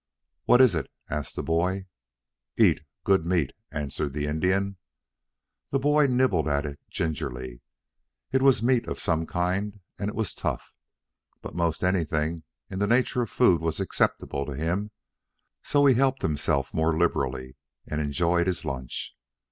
"What is it?" asked the boy. "Eat. Good meat," answered the Indian. The boy nibbled at it gingerly. It was meat of some kind, and it was tough. But most anything in the nature of food was acceptable to him then, so he helped himself more liberally and enjoyed his lunch.